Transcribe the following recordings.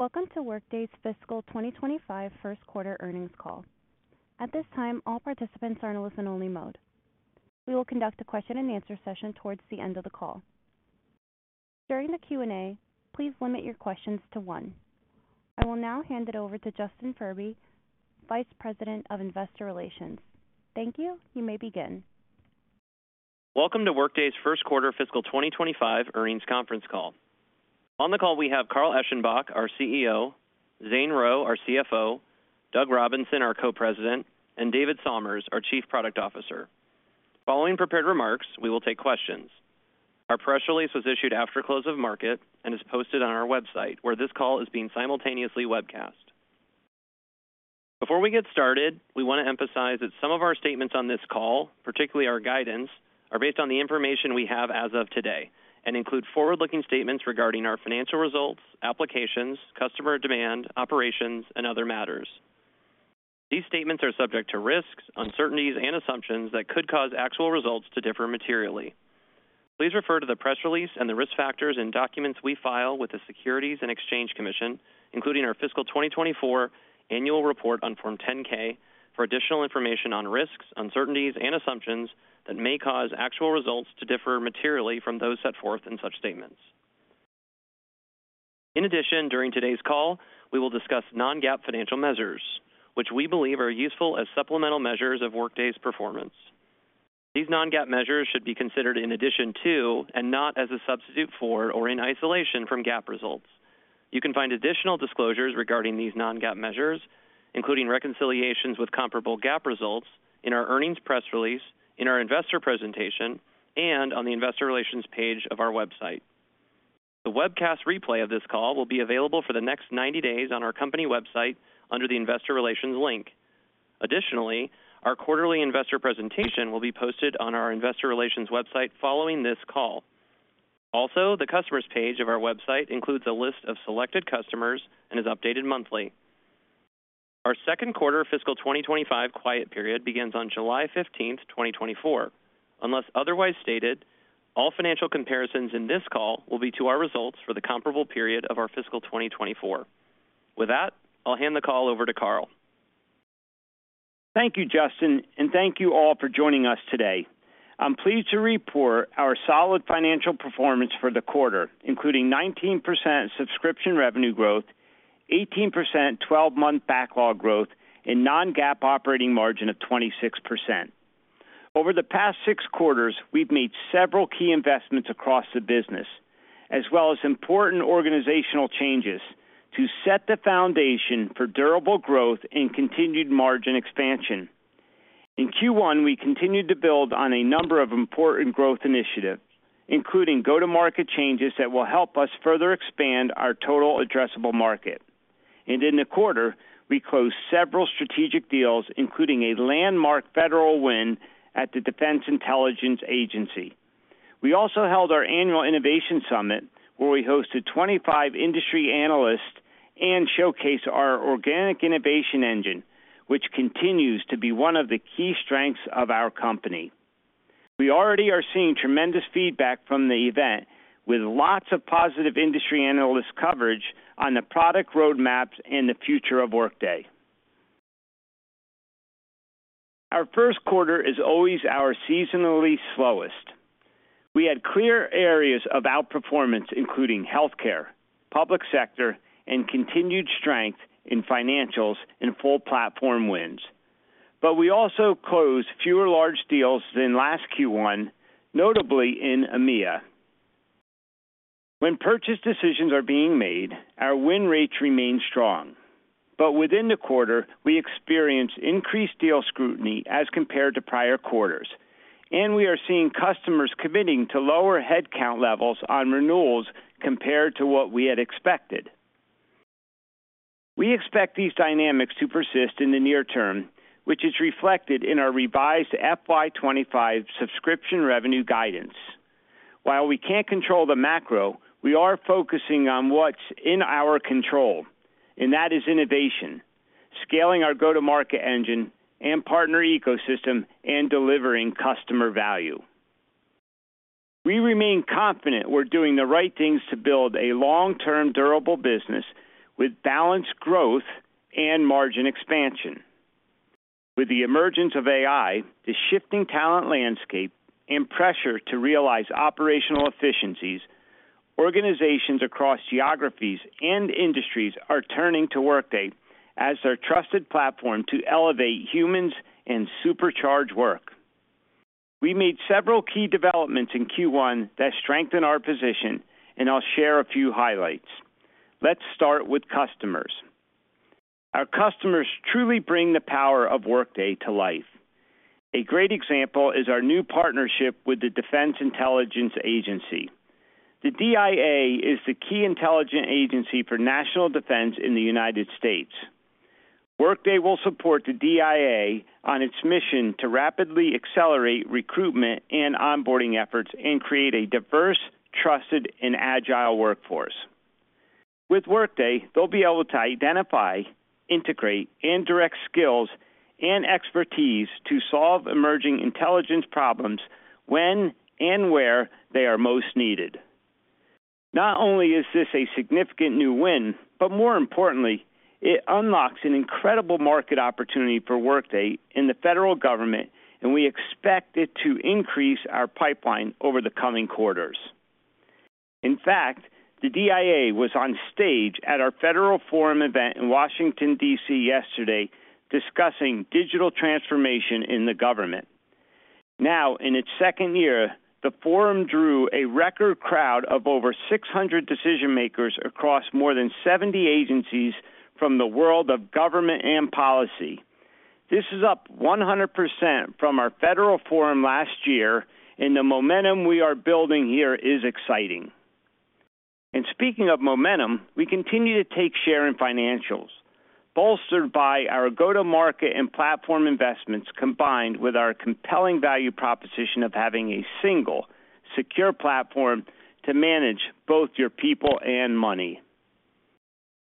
Welcome to Workday's Fiscal 2025 first quarter earnings call. At this time, all participants are in listen-only mode. We will conduct a question-and-answer session towards the end of the call. During the Q&A, please limit your questions to one. I will now hand it over to Justin Furby, Vice President of Investor Relations. Thank you. You may begin. Welcome to Workday's first quarter fiscal 2025 earnings conference call. the call, we have Carl Eschenbach, our CEO, Zane Rowe, our CFO, Doug Robinson, our Co-President, and David Somers, our Chief Product Officer. Following prepared remarks, we will take questions. Our press release was issued after close of market and is posted on our website, where this call is being simultaneously webcast. Before we get started, we want to emphasize that some of our statements on this call, particularly our guidance, are based on the information we have as of today and include forward-looking statements regarding our financial results, applications, customer demand, operations, and other matters. These statements are subject to risks, uncertainties, and assumptions that could cause actual results to differ materially. Please refer to the press release and the risk factors in documents we file with the Securities and Exchange Commission, including our fiscal 2024 Annual Report on Form 10-K, for additional information on risks, uncertainties, and assumptions that may cause actual results to differ materially from those set forth in such statements. In addition, during today's call, we will discuss non-GAAP financial measures, which we believe are useful as supplemental measures of Workday's performance. These non-GAAP measures should be considered in addition to, and not as a substitute for or in isolation from, GAAP results. You can find additional disclosures regarding these non-GAAP measures, including reconciliations with comparable GAAP results, in our earnings press release, in our investor presentation, and on the investor relations page of our website. The webcast replay of this call will be available for the next 90 days on our company website under the Investor Relations link. Additionally, our quarterly investor presentation will be posted on our investor relations website following this call. Also, the Customers page of our website includes a list of selected customers and is updated monthly. Our second quarter fiscal 2025 quiet period begins on July 15, 2024. Unless otherwise stated, all financial comparisons in this call will be to our results for the comparable period of our fiscal 2024. With that, I'll hand the call over to Carl. Thank you, Justin, and thank you all for joining us today. I'm pleased to report our solid financial performance for the quarter, including 19% subscription revenue growth, 18% 12-month backlog growth, and non-GAAP operating margin of 26%. Over the past six quarters, we've made several key investments across the business, as well as important organizational changes to set the foundation for durable growth and continued margin expansion. In Q1, we continued to build on a number of important growth initiatives, including go-to-market changes that will help us further expand our total addressable market. In the quarter, we closed several strategic deals, including a landmark federal win at the Defense Intelligence Agency. We also held our annual Innovation Summit, where we hosted 25 industry analysts and showcased our organic innovation engine, which continues to be one of the key strengths of our company. We already are seeing tremendous feedback from the event, with lots of positive industry analyst coverage on the product roadmaps and the future of Workday. Our first quarter is always our seasonally slowest. We had clear areas of outperformance, including healthcare, public sector, and continued strength in financials and full platform wins. But we also closed fewer large deals than last Q1, notably in EMEA. When purchase decisions are being made, our win rates remain strong, but within the quarter, we experienced increased deal scrutiny as compared to prior quarters, and we are seeing customers committing to lower headcount levels on renewals compared to what we had expected. We expect these dynamics to persist in the near term, which is reflected in our revised FY 25 subscription revenue guidance. While we can't control the macro, we are focusing on what's in our control, and that is innovation, scaling our go-to-market engine and partner ecosystem, and delivering customer value. We remain confident we're doing the right things to build a long-term, durable business with balanced growth and margin expansion. With the emergence of AI, the shifting talent landscape, and pressure to realize operational efficiencies, organizations across geographies and industries are turning to Workday as their trusted platform to elevate humans and supercharge work. We made several key developments in Q1 that strengthen our position, and I'll share a few highlights. Let's start with customers. Our customers truly bring the power of Workday to life. A great example is our new partnership with the Defense Intelligence Agency. The DIA is the key intelligence agency for national defense in the United States. Workday will support the DIA on its mission to rapidly accelerate recruitment and onboarding efforts and create a diverse, trusted, and agile workforce. With Workday, they'll be able to identify, integrate, and direct skills and expertise to solve emerging intelligence problems when and where they are most needed. Not only is this a significant new win, but more importantly, it unlocks an incredible market opportunity for Workday in the federal government, and we expect it to increase our pipeline over the coming quarters. In fact, the DIA was on stage at our Federal Forum event in Washington, D.C., yesterday, discussing digital transformation in the government. Now, in its second year, the forum drew a record crowd of over 600 decision makers across more than 70 agencies from the world of government and policy. This is up 100% from ourFederal Forum last year, and the momentum we are building here is exciting. Speaking of momentum, we continue to take share in financials, bolstered by our go-to-market and platform investments, combined with our compelling value proposition of having a single secure platform to manage both your people and money.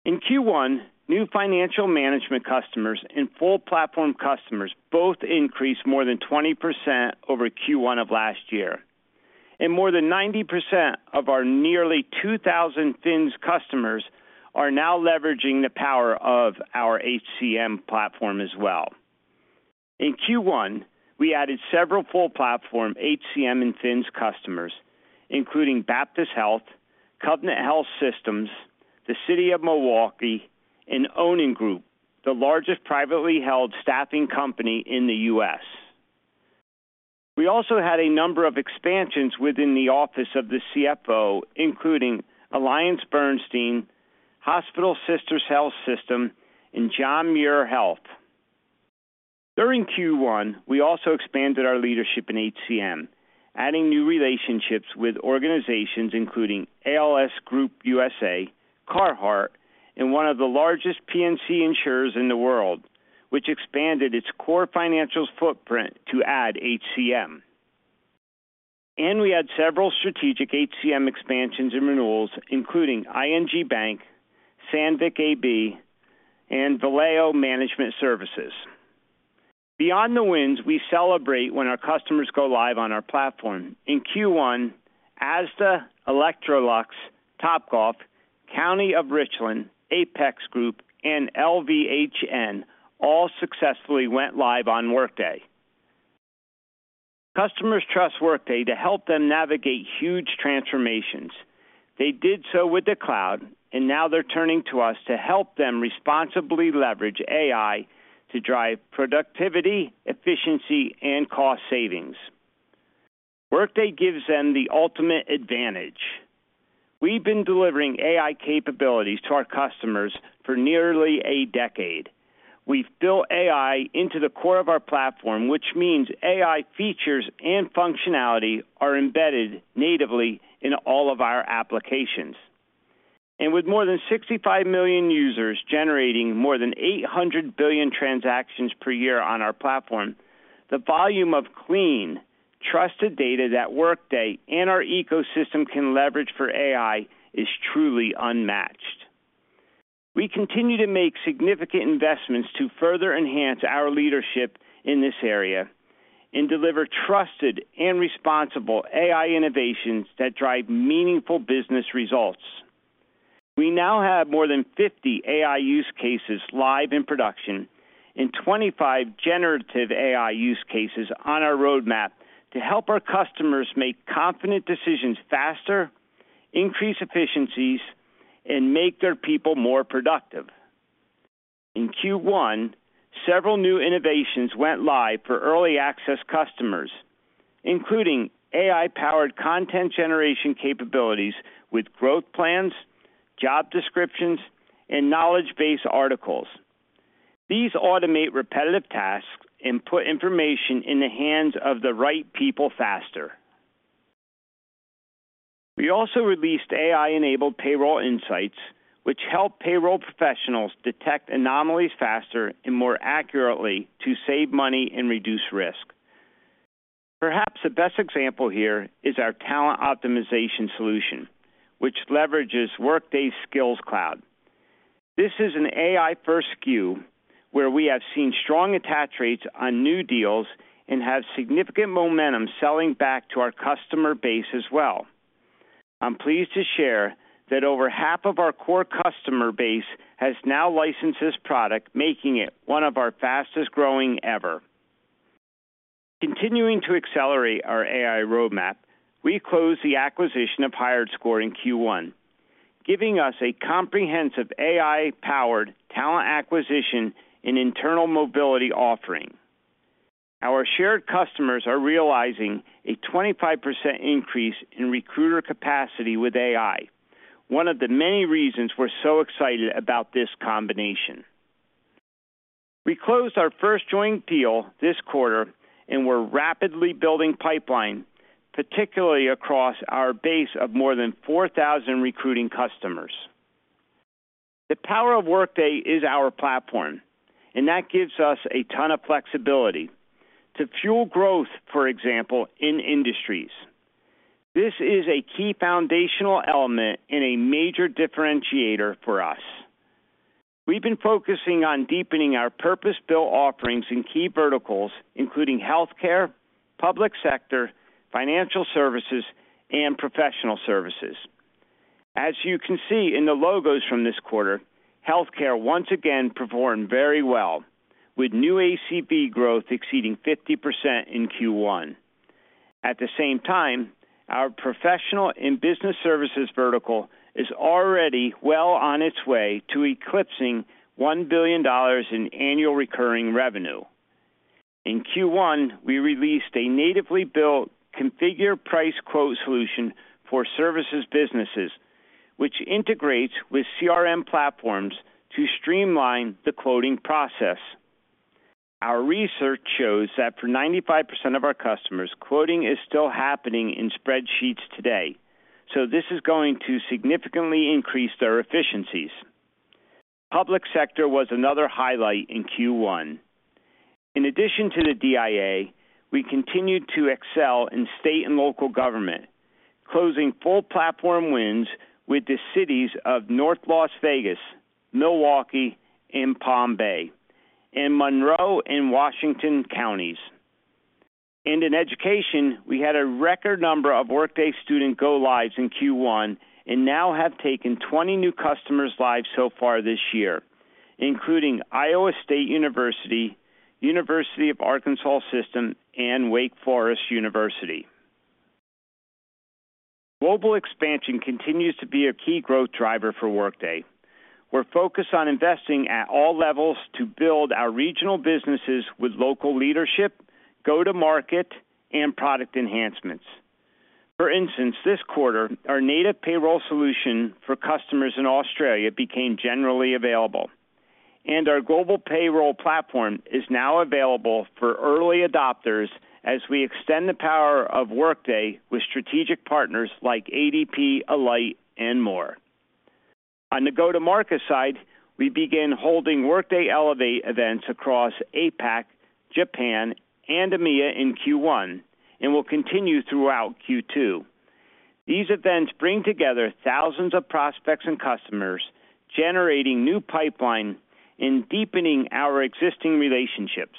In Q1, new financial management customers and full platform customers both increased more than 20% over Q1 of last year, and more than 90% of our nearly 2,000 Fins customers are now leveraging the power of our HCM platform as well. In Q1, we added several full platform, HCM and Fins customers, including Baptist Health, Covenant Health Systems, the City of Milwaukee, and The Onin Group, the largest privately held staffing company in the U.S. We also had a number of expansions within the office of the CFO, including AllianceBernstein, Hospital Sisters Health System, and John Muir Health. During Q1, we also expanded our leadership in HCM, adding new relationships with organizations including ALS Group U.S.A., Carhartt, and one of the largest P&C insurers in the world, which expanded its core financials footprint to add HCM. We had several strategic HCM expansions and renewals, including ING Bank, Sandvik AB, and Valeo Management Services. Beyond the wins, we celebrate when our customers go live on our platform. In Q1, Asda, Electrolux, Topgolf, County of Richland, Apex Group, and LVHN all successfully went live on Workday. Customers trust Workday to help them navigate huge transformations. They did so with the cloud, and now they're turning to us to help them responsibly leverage AI to drive productivity, efficiency, and cost savings. Workday gives them the ultimate advantage. We've been delivering AI capabilities to our customers for nearly a decade. We've built AI into the core of our platform, which means AI features and functionality are embedded natively in all of our applications. With more than 65 million users generating more than 800 billion transactions per year on our platform, the volume of clean, trusted data that Workday and our ecosystem can leverage for AI is truly unmatched. We continue to make significant investments to further enhance our leadership in this area and deliver trusted and responsible AI innovations that drive meaningful business results. We now have more than 50 AI use cases live in production and 25 generative AI use cases on our roadmap to help our customers make confident decisions faster, increase efficiencies, and make their people more productive. In Q1, several new innovations went live for early access customers, including AI-powered content generation capabilities with growth plans, job descriptions, and knowledge base articles. These automate repetitive tasks and put information in the hands of the right people faster. We also released AI-enabled payroll insights, which help payroll professionals detect anomalies faster and more accurately to save money and reduce risk. Perhaps the best example here is our Talent Optimization solution, which leverages Workday Skills Cloud. This is an AI-first SKU where we have seen strong attach rates on new deals and have significant momentum selling back to our customer base as well. I'm pleased to share that over half of our core customer base has now licensed this product, making it one of our fastest-growing ever. Continuing to accelerate our AI roadmap, we closed the acquisition of HiredScore in Q1, giving us a comprehensive AI-powered talent acquisition and internal mobility offering. Our shared customers are realizing a 25% increase in recruiter capacity with AI, one of the many reasons we're so excited about this combination. We closed our first joint deal this quarter, and we're rapidly building pipeline, particularly across our base of more than 4,000 recruiting customers. The power of Workday is our platform, and that gives us a ton of flexibility. To fuel growth, for example, in industries.... This is a key foundational element and a major differentiator for us. We've been focusing on deepening our purpose-built offerings in key verticals, including healthcare, public sector, financial services, and professional services. As you can see in the logos from this quarter, healthcare once again performed very well, with new ACV growth exceeding 50% in Q1. At the same time, our professional and business services vertical is already well on its way to eclipsing $1 billion in annual recurring revenue. In Q1, we released a natively built Configure Price Quote solution for services businesses, which integrates with CRM platforms to streamline the quoting process. Our research shows that for 95% of our customers, quoting is still happening in spreadsheets today, so this is going to significantly increase their efficiencies. Public sector was another highlight in Q1. In addition to the DIA, we continued to excel in state and local government, closing full platform wins with the cities of North Las Vegas, Milwaukee, and Palm Bay, and Monroe and Washington counties. In education, we had a record number of Workday Student go-lives in Q1, and now have taken 20 new customers live so far this year, including Iowa State University, University of Arkansas System, and Wake Forest University. Global expansion continues to be a key growth driver for Workday. We're focused on investing at all levels to build our regional businesses with local leadership, go-to-market, and product enhancements. For instance, this quarter, our native payroll solution for customers in Australia became generally available, and our global payroll platform is now available for early adopters as we extend the power of Workday with strategic partners like ADP, Alight, and more. On the go-to-market side, we began holding Workday Elevate events across APAC, Japan, and EMEA in Q1, and will continue throughout Q2. These events bring together thousands of prospects and customers, generating new pipeline and deepening our existing relationships.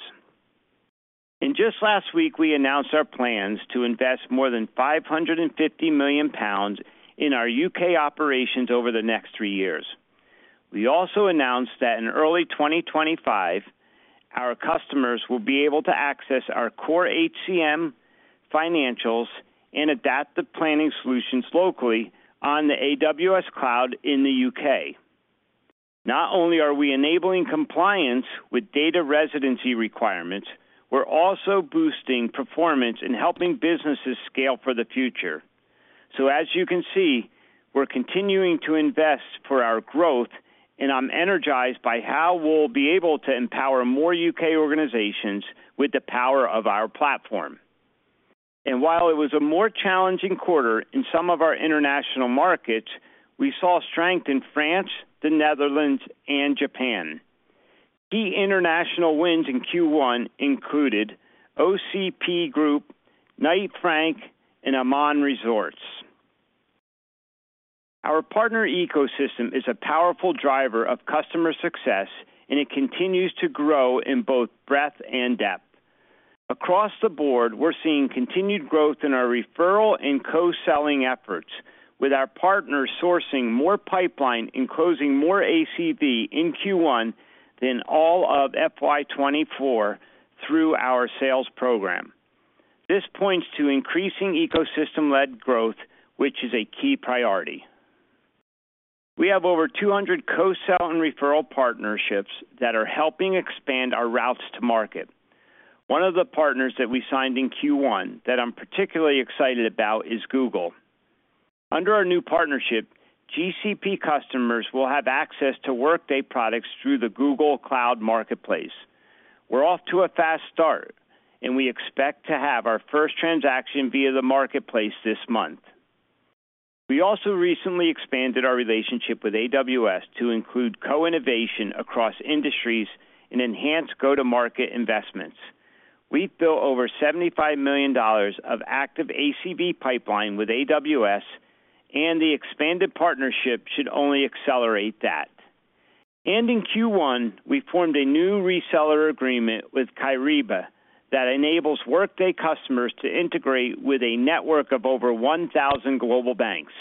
Just last week, we announced our plans to invest more than 550 million pounds in our UK operations over the next 3 years. We also announced that in early 2025, our customers will be able to access our core HCM financials and adaptive planning solutions locally on the AWS cloud in the U.K. Not only are we enabling compliance with data residency requirements, we're also boosting performance and helping businesses scale for the future. So as you can see, we're continuing to invest for our growth, and I'm energized by how we'll be able to empower more U.K. organizations with the power of our platform. And while it was a more challenging quarter in some of our international markets, we saw strength in France, the Netherlands, and Japan. Key international wins in Q1 included OCP Group, Knight Frank, and Aman Resorts. Our partner ecosystem is a powerful driver of customer success, and it continues to grow in both breadth and depth. Across the board, we're seeing continued growth in our referral and co-selling efforts, with our partners sourcing more pipeline and closing more ACV in Q1 than all of FY 2024 through our sales program. This points to increasing ecosystem-led growth, which is a key priority. We have over 200 co-sell and referral partnerships that are helping expand our routes to market. One of the partners that we signed in Q1 that I'm particularly excited about is Google. Under our new partnership, GCP customers will have access to Workday products through the Google Cloud Marketplace. We're off to a fast start, and we expect to have our first transaction via the marketplace this month. We also recently expanded our relationship with AWS to include co-innovation across industries and enhanced go-to-market investments. We've built over $75 million of active ACV pipeline with AWS, and the expanded partnership should only accelerate that. In Q1, we formed a new reseller agreement with Kyriba that enables Workday customers to integrate with a network of over 1,000 global banks.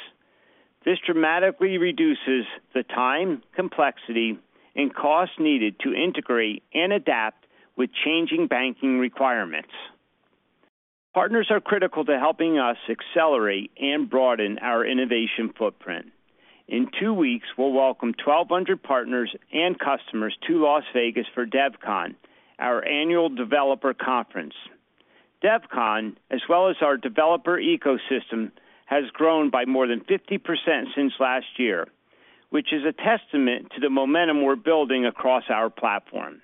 This dramatically reduces the time, complexity, and cost needed to integrate and adapt with changing banking requirements. Partners are critical to helping us accelerate and broaden our innovation footprint. In two weeks, we'll welcome 1,200 partners and customers to Las Vegas for DevCon, our annual developer conference. DevCon, as well as our developer ecosystem, has grown by more than 50% since last year, which is a testament to the momentum we're building across our platform.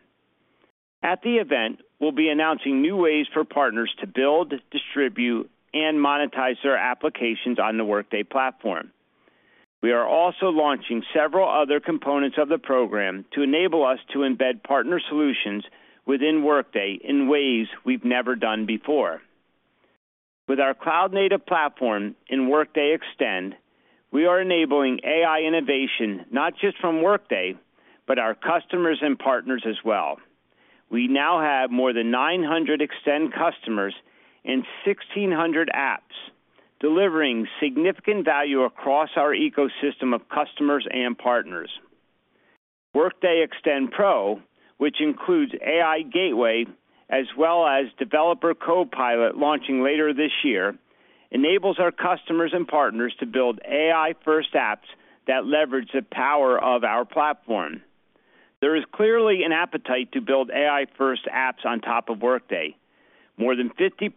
At the event, we'll be announcing new ways for partners to build, distribute, and monetize their applications on the Workday platform. We are also launching several other components of the program to enable us to embed partner solutions within Workday in ways we've never done before. With our cloud-native platform in Workday Extend, we are enabling AI innovation, not just from Workday, but our customers and partners as well. We now have more than 900 Extend customers and 1,600 apps, delivering significant value across our ecosystem of customers and partners. Workday Extend Pro, which includes AI Gateway, as well as Developer Copilot, launching later this year, enables our customers and partners to build AI-first apps that leverage the power of our platform. There is clearly an appetite to build AI-first apps on top of Workday. More than 50%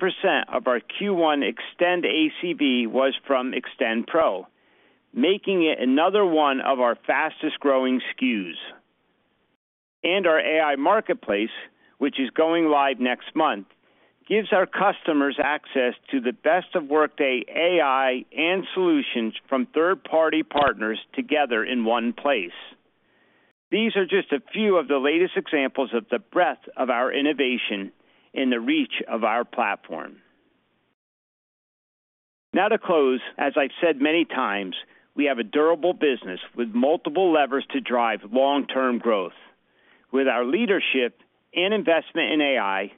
of our Q1 Extend ACV was from Extend Pro, making it another one of our fastest-growing SKUs. And our AI Marketplace, which is going live next month, gives our customers access to the best of Workday AI and solutions from third-party partners together in one place. These are just a few of the latest examples of the breadth of our innovation and the reach of our platform. Now to close, as I've said many times, we have a durable business with multiple levers to drive long-term growth. With our leadership and investment in AI,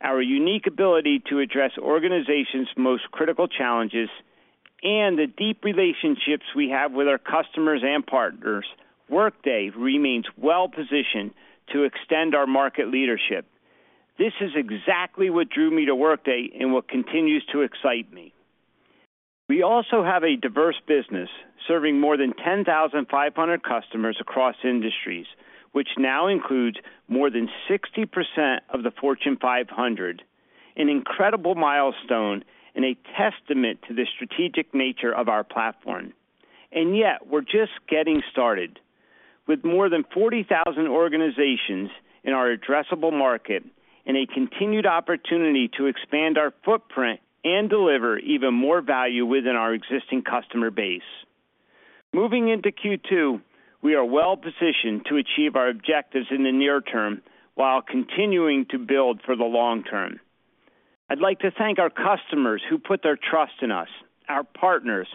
our unique ability to address organizations' most critical challenges, and the deep relationships we have with our customers and partners, Workday remains well positioned to extend our market leadership. This is exactly what drew me to Workday and what continues to excite me. We also have a diverse business, serving more than 10,500 customers across industries, which now includes more than 60% of the Fortune 500, an incredible milestone and a testament to the strategic nature of our platform. And yet, we're just getting started. With more than 40,000 organizations in our addressable market and a continued opportunity to expand our footprint and deliver even more value within our existing customer base. Moving into Q2, we are well positioned to achieve our objectives in the near term while continuing to build for the long term. I'd like to thank our customers who put their trust in us, our partners,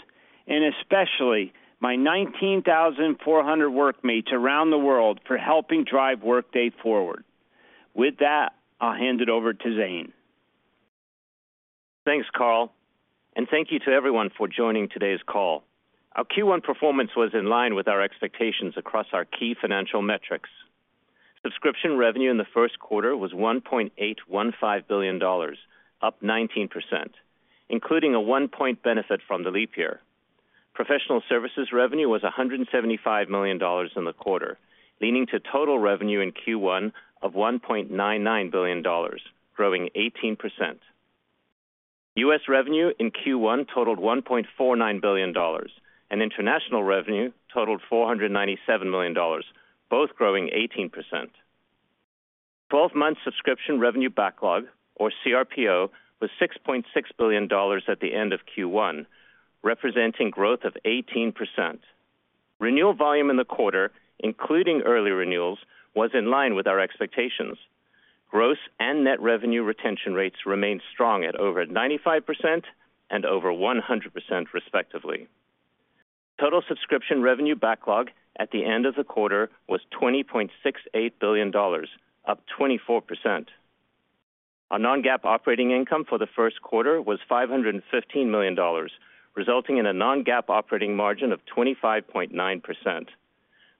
and especially my 19,400 workmates around the world for helping drive Workday forward. With that, I'll hand it over to Zane. Thanks, Carl, and thank you to everyone for joining today's call. Our Q1 performance was in line with our expectations across our key financial metrics. Subscription revenue in the first quarter was $1.815 billion, up 19%, including a 1-point benefit from the leap year. Professional services revenue was $175 million in the quarter, leading to total revenue in Q1 of $1.99 billion, growing 18%. U.S. revenue in Q1 totaled $1.49 billion, and international revenue totaled $497 million, both growing 18%. 12-month subscription revenue backlog, or CRPO, was $6.6 billion at the end of Q1, representing growth of 18%. Renewal volume in the quarter, including early renewals, was in line with our expectations. Gross and net revenue retention rates remained strong at over 95% and over 100%, respectively. Total subscription revenue backlog at the end of the quarter was $20.68 billion, up 24%. Our non-GAAP operating income for the first quarter was $515 million, resulting in a non-GAAP operating margin of 25.9%.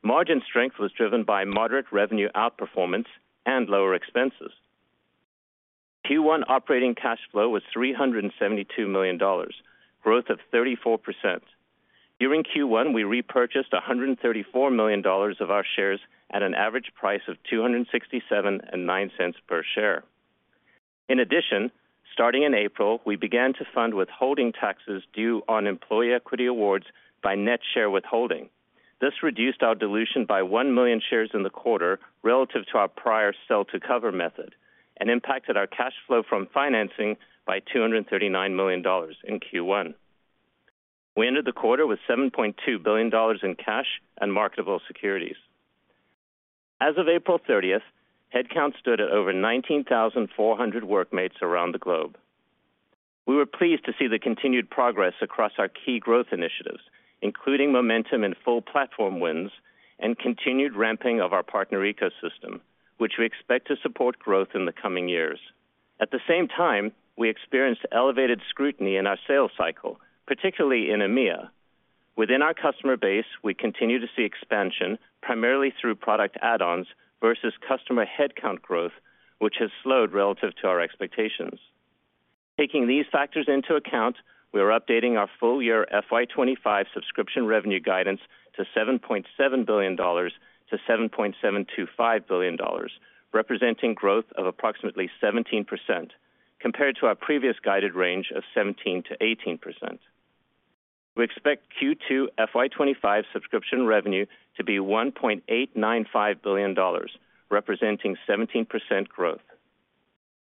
Margin strength was driven by moderate revenue outperformance and lower expenses. Q1 operating cash flow was $372 million, growth of 34%. During Q1, we repurchased $134 million of our shares at an average price of $267.09 per share. In addition, starting in April, we began to fund withholding taxes due on employee equity awards by net share withholding. This reduced our dilution by 1 million shares in the quarter relative to our prior sell-to-cover method and impacted our cash flow from financing by $239 million in Q1. We ended the quarter with $7.2 billion in cash and marketable securities. As of April thirtieth, headcount stood at over 19,400 workmates around the globe. We were pleased to see the continued progress across our key growth initiatives, including momentum in full platform wins and continued ramping of our partner ecosystem, which we expect to support growth in the coming years. At the same time, we experienced elevated scrutiny in our sales cycle, particularly in EMEA. Within our customer base, we continue to see expansion, primarily through product add-ons versus customer headcount growth, which has slowed relative to our expectations. Taking these factors into account, we are updating our full year FY 2025 subscription revenue guidance to $7.7 billion-$7.725 billion, representing growth of approximately 17% compared to our previous guided range of 17%-18%. We expect Q2 FY 2025 subscription revenue to be $1.895 billion, representing 17% growth....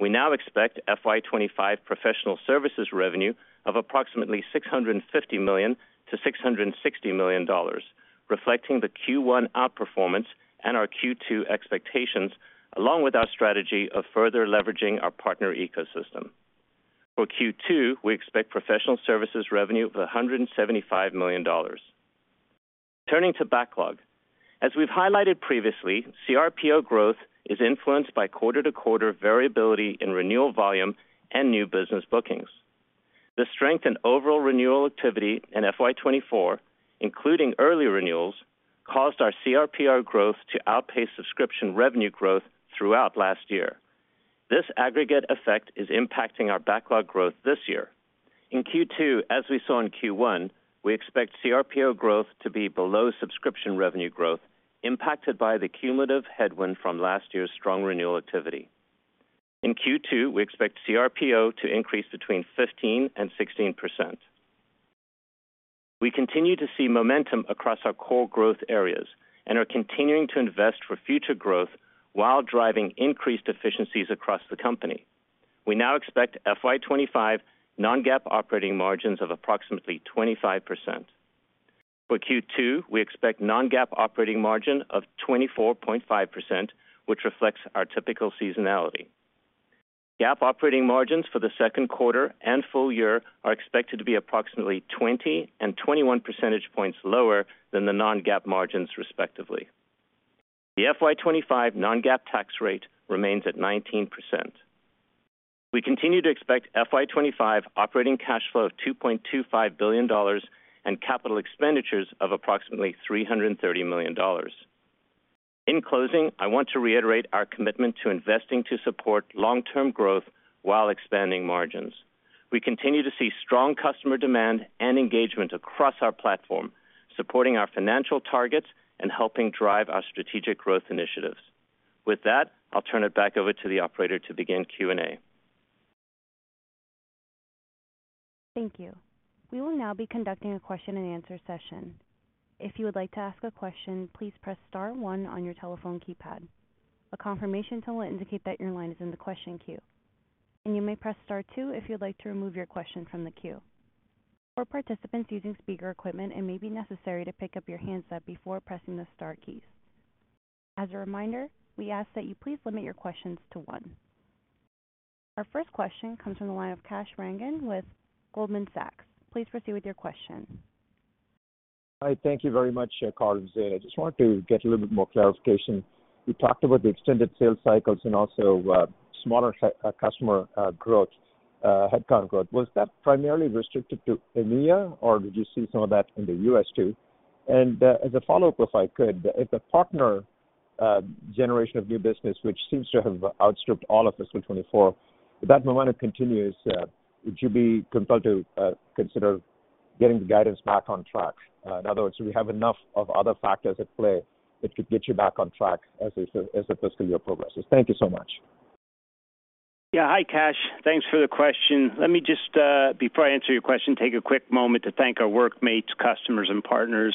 We now expect FY 2025 professional services revenue of approximately $650 million-$660 million, reflecting the Q1 outperformance and our Q2 expectations, along with our strategy of further leveraging our partner ecosystem. For Q2, we expect professional services revenue of $175 million. Turning to backlog. As we've highlighted previously, CRPO growth is influenced by quarter-to-quarter variability in renewal volume and new business bookings. The strength in overall renewal activity in FY 2024, including early renewals, caused our CRPO growth to outpace subscription revenue growth throughout last year. This aggregate effect is impacting our backlog growth this year. In Q2, as we saw in Q1, we expect CRPO growth to be below subscription revenue growth, impacted by the cumulative headwind from last year's strong renewal activity. In Q2, we expect CRPO to increase between 15% and 16%. We continue to see momentum across our core growth areas and are continuing to invest for future growth while driving increased efficiencies across the company. We now expect FY 2025 non-GAAP operating margins of approximately 25%. For Q2, we expect non-GAAP operating margin of 24.5%, which reflects our typical seasonality. GAAP operating margins for the second quarter and full year are expected to be approximately 20 and 21 percentage points lower than the non-GAAP margins, respectively. The FY 2025 non-GAAP tax rate remains at 19%. We continue to expect FY 2025 operating cash flow of $2.25 billion and capital expenditures of approximately $330 million. In closing, I want to reiterate our commitment to investing to support long-term growth while expanding margins. We continue to see strong customer demand and engagement across our platform, supporting our financial targets and helping drive our strategic growth initiatives. With that, I'll turn it back over to the operator to begin Q&A. Thank you. We will now be conducting a question-and-answer session. If you would like to ask a question, please press star one on your telephone keypad. A confirmation tone will indicate that your line is in the question queue, and you may press star two if you'd like to remove your question from the queue. For participants using speaker equipment, it may be necessary to pick up your handset before pressing the star keys. As a reminder, we ask that you please limit your questions to one. Our first question comes from the line of Kash Rangan with Goldman Sachs. Please proceed with your question. Hi, thank you very much, Carl and Zane. I just wanted to get a little bit more clarification. You talked about the extended sales cycles and also, smaller customer growth, headcount growth. Was that primarily restricted to EMEA, or did you see some of that in the U.S., too? And, as a follow-up, if I could, if the partner generation of new business, which seems to have outstripped all of fiscal 2024, if that momentum continues, would you be compelled to consider getting the guidance back on track? In other words, do we have enough of other factors at play that could get you back on track as the fiscal year progresses? Thank you so much. Yeah. Hi, Kash. Thanks for the question. Let me just, before I answer your question, take a quick moment to thank our workmates, customers, and partners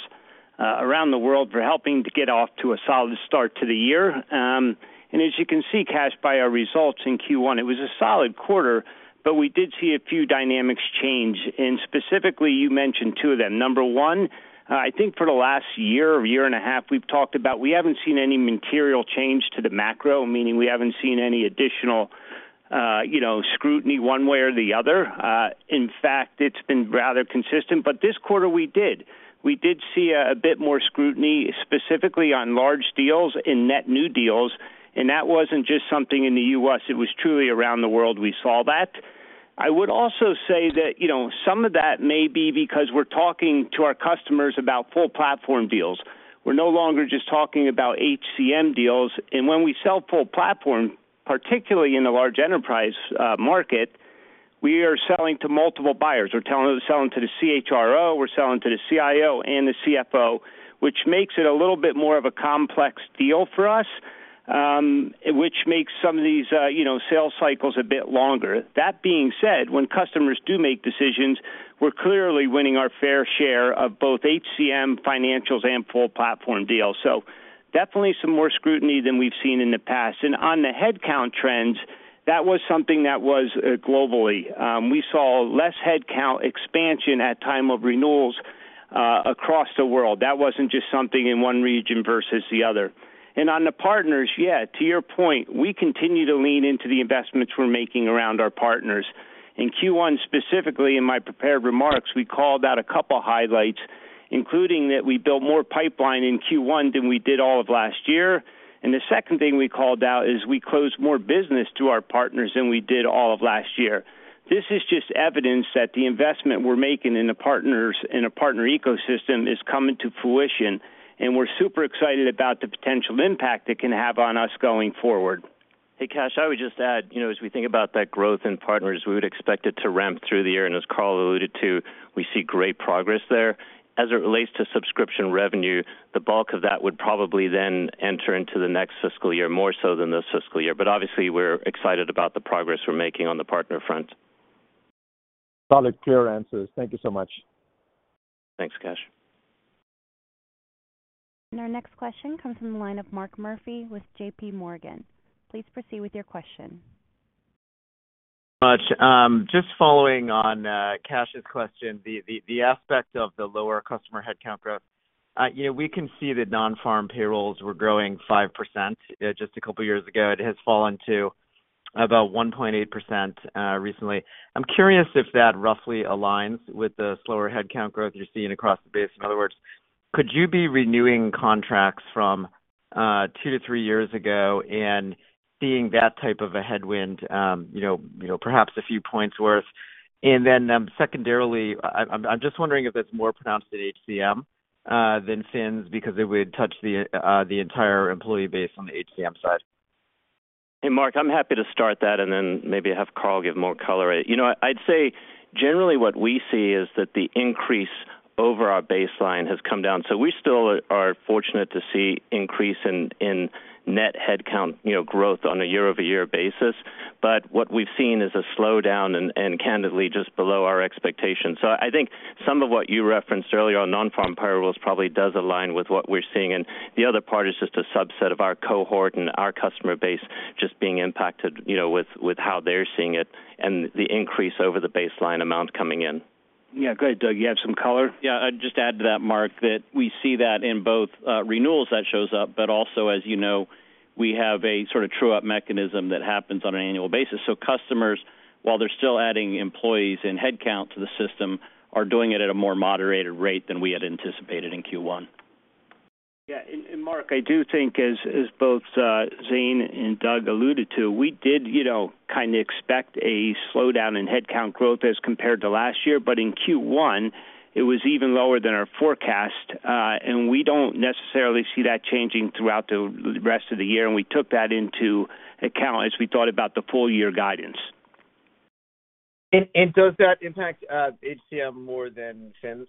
around the world for helping to get off to a solid start to the year. And as you can see, Kash, by our results in Q1, it was a solid quarter, but we did see a few dynamics change, and specifically, you mentioned two of them. Number one, I think for the last year or year and a half, we've talked about we haven't seen any material change to the macro, meaning we haven't seen any additional, you know, scrutiny one way or the other. In fact, it's been rather consistent, but this quarter we did. We did see a bit more scrutiny, specifically on large deals and net new deals, and that wasn't just something in the U.S., it was truly around the world we saw that. I would also say that, you know, some of that may be because we're talking to our customers about full platform deals. We're no longer just talking about HCM deals, and when we sell full platform, particularly in the large enterprise market, we are selling to multiple buyers. We're telling them we're selling to the CHRO, we're selling to the CIO and the CFO, which makes it a little bit more of a complex deal for us, which makes some of these, you know, sales cycles a bit longer. That being said, when customers do make decisions, we're clearly winning our fair share of both HCM, financials, and full platform deals. So definitely some more scrutiny than we've seen in the past. And on the headcount trends, that was something that was globally. We saw less headcount expansion at time of renewals across the world. That wasn't just something in one region versus the other. And on the partners, yeah, to your point, we continue to lean into the investments we're making around our partners. In Q1, specifically in my prepared remarks, we called out a couple highlights, including that we built more pipeline in Q1 than we did all of last year. And the second thing we called out is we closed more business to our partners than we did all of last year. This is just evidence that the investment we're making in the partners and the partner ecosystem is coming to fruition, and we're super excited about the potential impact it can have on us going forward. Hey, Kash, I would just add, you know, as we think about that growth in partners, we would expect it to ramp through the year, and as Carl alluded to, we see great progress there. As it relates to subscription revenue, the bulk of that would probably then enter into the next fiscal year, more so than this fiscal year. But obviously, we're excited about the progress we're making on the partner front. Solid, clear answers. Thank you so much. Thanks, Kash.... And our next question comes from the line of Mark Murphy with JP Morgan. Please proceed with your question. Just following on Kash's question, the aspect of the lower customer headcount growth. You know, we can see that non-farm payrolls were growing 5% just a couple of years ago. It has fallen to about 1.8% recently. I'm curious if that roughly aligns with the slower headcount growth you're seeing across the base. In other words, could you be renewing contracts from two to three years ago and seeing that type of a headwind, you know, perhaps a few points worth? And then, secondarily, I'm just wondering if it's more pronounced in HCM than Fins, because it would touch the entire employee base on the HCM side. Hey, Mark, I'm happy to start that, and then maybe have Carl give more color. You know, I'd say generally what we see is that the increase over our baseline has come down. So we still are fortunate to see increase in net headcount, you know, growth on a year-over-year basis. But what we've seen is a slowdown and candidly, just below our expectations. So I think some of what you referenced earlier on non-farm payrolls probably does align with what we're seeing, and the other part is just a subset of our cohort and our customer base just being impacted, you know, with how they're seeing it and the increase over the baseline amount coming in. Yeah. Go ahead, Doug, you have some color? Yeah. I'd just add to that, Mark, that we see that in both renewals that shows up, but also, as you know, we have a sort of true-up mechanism that happens on an annual basis. So customers, while they're still adding employees and headcount to the system, are doing it at a more moderated rate than we had anticipated in Q1. Yeah. And Mark, I do think as both Zane and Doug alluded to, we did, you know, kind of expect a slowdown in headcount growth as compared to last year, but in Q1, it was even lower than our forecast. And we don't necessarily see that changing throughout the rest of the year, and we took that into account as we thought about the full-year guidance. Does that impact HCM more than Fins?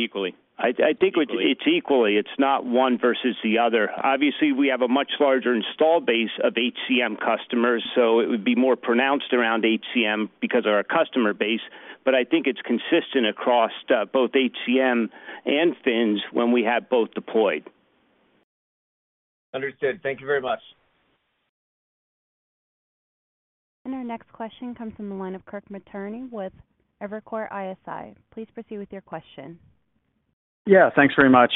Equally. I, I think it's equally. It's not one versus the other. Obviously, we have a much larger installed base of HCM customers, so it would be more pronounced around HCM because of our customer base, but I think it's consistent across both HCM and Fins when we have both deployed. Understood. Thank you very much. And our next question comes from the line of Kirk Materne with Evercore ISI. Please proceed with your question. Yeah, thanks very much.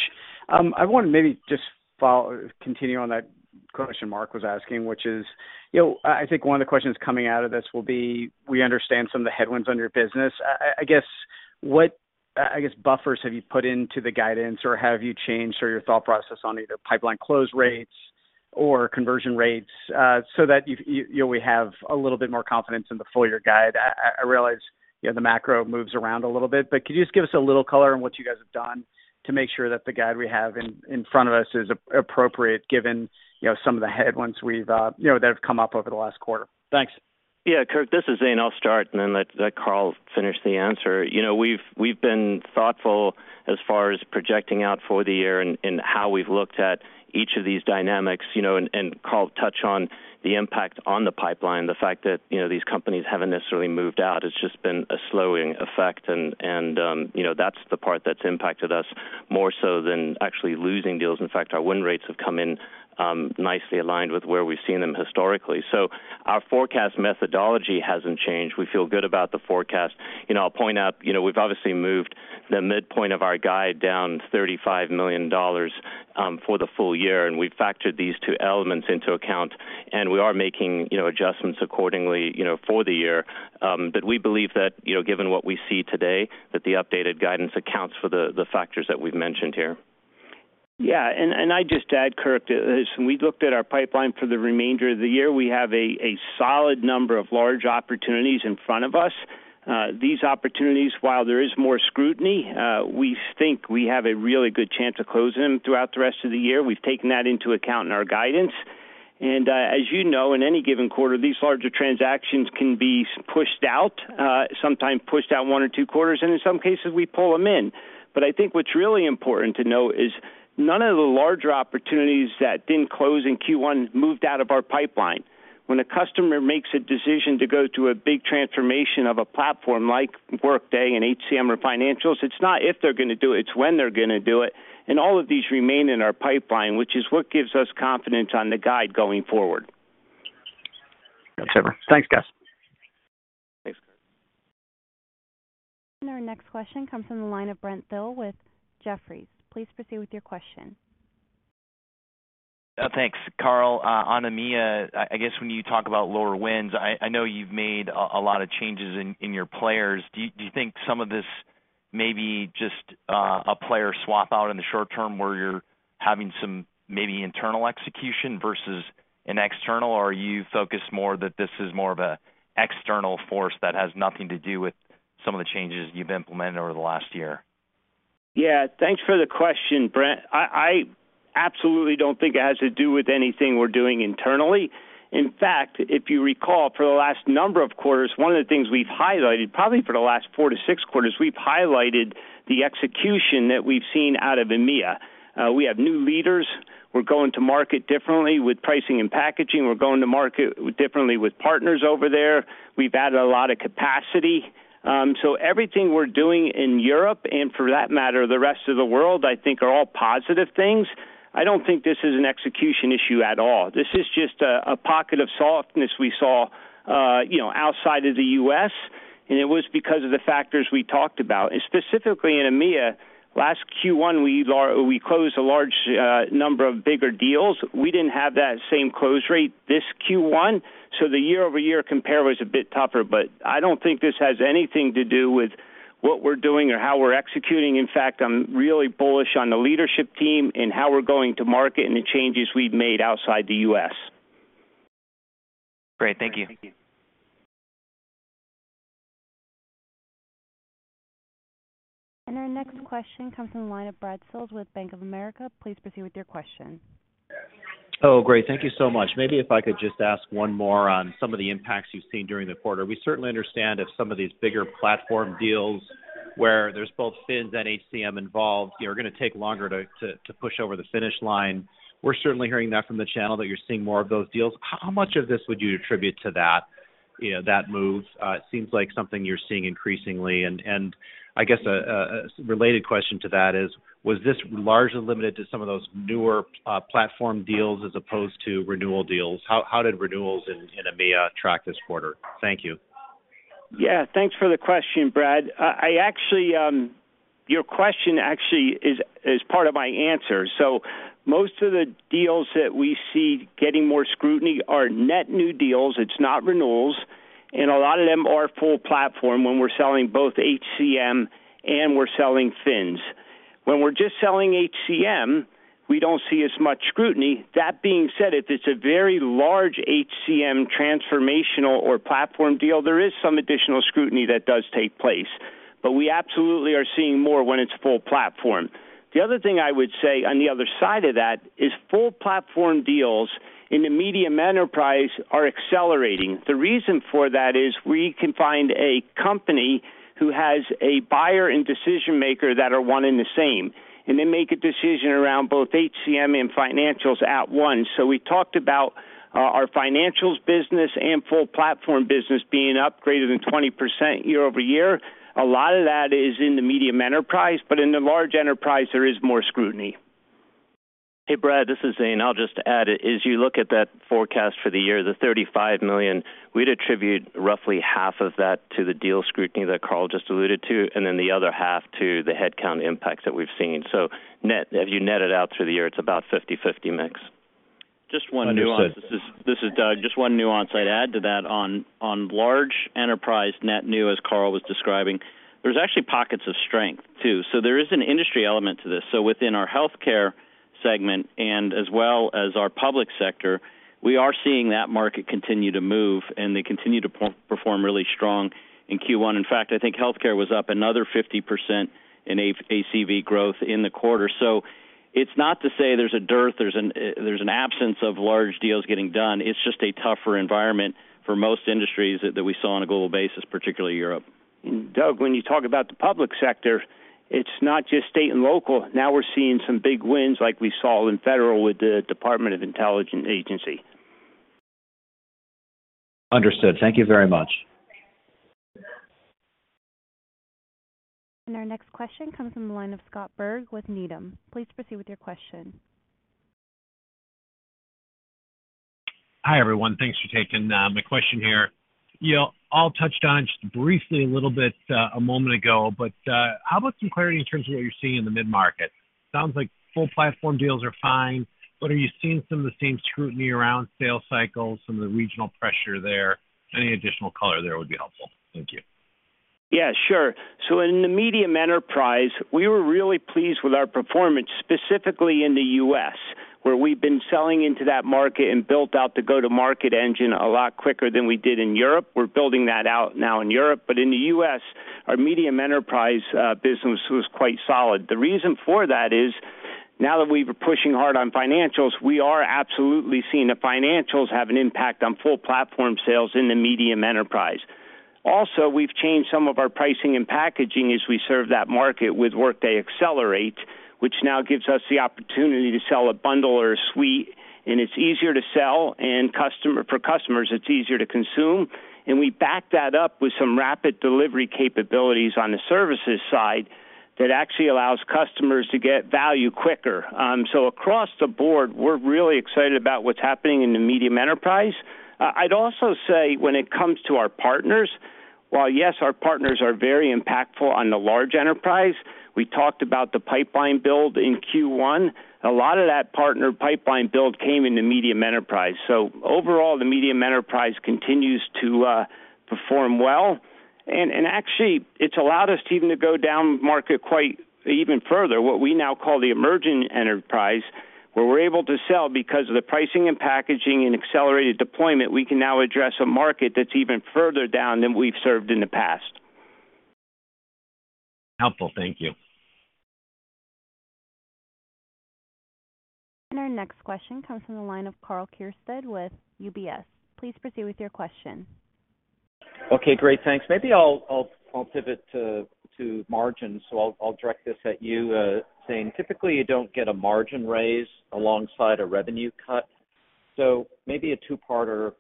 I want to maybe just follow... continue on that question Mark was asking, which is, you know, I, I think one of the questions coming out of this will be, we understand some of the headwinds on your business. I guess, what, I guess, buffers have you put into the guidance, or have you changed or your thought process on either pipeline close rates or conversion rates, so that you, you, you know, we have a little bit more confidence in the full year guide? I realize, you know, the macro moves around a little bit, but could you just give us a little color on what you guys have done to make sure that the guide we have in front of us is appropriate, given, you know, some of the headwinds we've, you know, that have come up over the last quarter? Thanks. Yeah, Kirk, this is Zane. I'll start and then let Carl finish the answer. You know, we've been thoughtful as far as projecting out for the year and how we've looked at each of these dynamics, you know, and Carl touch on the impact on the pipeline, the fact that, you know, these companies haven't necessarily moved out. It's just been a slowing effect, and you know, that's the part that's impacted us more so than actually losing deals. In fact, our win rates have come in nicely aligned with where we've seen them historically. So our forecast methodology hasn't changed. We feel good about the forecast. You know, I'll point out, you know, we've obviously moved the midpoint of our guide down $35 million for the full year, and we've factored these two elements into account, and we are making, you know, adjustments accordingly, you know, for the year. But we believe that, you know, given what we see today, that the updated guidance accounts for the factors that we've mentioned here. Yeah, and I'd just add, Kirk, as we looked at our pipeline for the remainder of the year, we have a solid number of large opportunities in front of us. These opportunities, while there is more scrutiny, we think we have a really good chance of closing them throughout the rest of the year. We've taken that into account in our guidance. As you know, in any given quarter, these larger transactions can be pushed out, sometimes pushed out one or two quarters, and in some cases we pull them in. I think what's really important to note is none of the larger opportunities that didn't close in Q1 moved out of our pipeline. When a customer makes a decision to go through a big transformation of a platform like Workday and HCM or Financials, it's not if they're going to do it, it's when they're going to do it. All of these remain in our pipeline, which is what gives us confidence on the guide going forward. Thanks, guys. Thanks. Our next question comes from the line of Brent Thill with Jefferies. Please proceed with your question. Thanks, Carl. On EMEA, I guess when you talk about lower wins, I know you've made a lot of changes in your players. Do you think some of this may be just a player swap out in the short term, where you're having some maybe internal execution versus an external, or are you focused more that this is more of an external force that has nothing to do with some of the changes you've implemented over the last year? Yeah, thanks for the question, Brent. I, I absolutely don't think it has to do with anything we're doing internally. In fact, if you recall, for the last number of quarters, one of the things we've highlighted, probably for the last 4-6 quarters, we've highlighted the execution that we've seen out of EMEA. We have new leaders. We're going to market differently with pricing and packaging. We're going to market differently with partners over there. We've added a lot of capacity. So everything we're doing in Europe, and for that matter, the rest of the world, I think are all positive things. I don't think this is an execution issue at all. This is just a pocket of softness we saw, you know, outside of the U.S., and it was because of the factors we talked about. And specifically in EMEA, last Q1, we closed a large number of bigger deals. We didn't have that same close rate this Q1, so the year-over-year compare was a bit tougher. But I don't think this has anything to do with what we're doing or how we're executing. In fact, I'm really bullish on the leadership team and how we're going to market and the changes we've made outside the U.S. Great. Thank you. Our next question comes from the line of Brad Sills with Bank of America. Please proceed with your question. Oh, great. Thank you so much. Maybe if I could just ask one more on some of the impacts you've seen during the quarter. We certainly understand that some of these bigger platform deals, where there's both Fins and HCM involved, are gonna take longer to push over the finish line. We're certainly hearing that from the channel, that you're seeing more of those deals. How much of this would you attribute to that, you know, that move? It seems like something you're seeing increasingly, and I guess a related question to that is, was this largely limited to some of those newer platform deals as opposed to renewal deals? How did renewals in EMEA track this quarter? Thank you. Yeah, thanks for the question, Brad. I actually, Your question actually is part of my answer. So most of the deals that we see getting more scrutiny are net new deals. It's not renewals, and a lot of them are full platform when we're selling both HCM and we're selling Fins. When we're just selling HCM, we don't see as much scrutiny. That being said, if it's a very large HCM transformational or platform deal, there is some additional scrutiny that does take place, but we absolutely are seeing more when it's full platform. The other thing I would say, on the other side of that, is full platform deals in the medium enterprise are accelerating. The reason for that is we can find a company who has a buyer and decision-maker that are one and the same, and they make a decision around both HCM and financials at once. So we talked about our financials business and full platform business being up greater than 20% year-over-year. A lot of that is in the medium enterprise, but in the large enterprise, there is more scrutiny. Hey, Brad, this is Zane. I'll just add, as you look at that forecast for the year, the $35 million, we'd attribute roughly half of that to the deal scrutiny that Carl just alluded to, and then the other half to the headcount impacts that we've seen. So net, as you net it out through the year, it's about 50/50 mix. Just one nuance- Understood. This is Doug. Just one nuance I'd add to that. On large enterprise net new, as Carl was describing, there's actually pockets of strength, too. So there is an industry element to this. So within our healthcare segment and as well as our public sector, we are seeing that market continue to move, and they continue to perform really strong in Q1. In fact, I think healthcare was up another 50% in ACV growth in the quarter. So it's not to say there's a dearth, there's an absence of large deals getting done. It's just a tougher environment for most industries that we saw on a global basis, particularly Europe. Doug, when you talk about the public sector, it's not just state and local. Now we're seeing some big wins like we saw in federal with the Defense Intelligence Agency. Understood. Thank you very much. Our next question comes from the line of Scott Berg with Needham. Please proceed with your question. Hi, everyone. Thanks for taking my question here. You know, all touched on just briefly a little bit a moment ago, but how about some clarity in terms of what you're seeing in the mid-market? Sounds like full platform deals are fine, but are you seeing some of the same scrutiny around sales cycles, some of the regional pressure there? Any additional color there would be helpful. Thank you. Yeah, sure. So in the medium enterprise, we were really pleased with our performance, specifically in the U.S., where we've been selling into that market and built out the go-to-market engine a lot quicker than we did in Europe. We're building that out now in Europe, but in the U.S., our medium enterprise business was quite solid. The reason for that is, now that we've been pushing hard on financials, we are absolutely seeing the financials have an impact on full platform sales in the medium enterprise. Also, we've changed some of our pricing and packaging as we serve that market with Workday Accelerate, which now gives us the opportunity to sell a bundle or a suite, and it's easier to sell, and for customers, it's easier to consume. We back that up with some rapid delivery capabilities on the services side that actually allows customers to get value quicker. So across the board, we're really excited about what's happening in the medium enterprise. I'd also say when it comes to our partners, while yes, our partners are very impactful on the large enterprise, we talked about the pipeline build in Q1. A lot of that partner pipeline build came in the medium enterprise. So overall, the medium enterprise continues to perform well. And actually, it's allowed us to even go downmarket quite even further, what we now call the emerging enterprise, where we're able to sell because of the pricing and packaging and accelerated deployment, we can now address a market that's even further down than we've served in the past. Helpful. Thank you. Our next question comes from the line of Karl Keirstead with UBS. Please proceed with your question.... Okay, great. Thanks. Maybe I'll pivot to margin. So I'll direct this at you, Zane. Typically, you don't get a margin raise alongside a revenue cut. So maybe a two-parter: